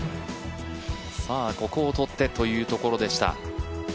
ここをとってというところでした。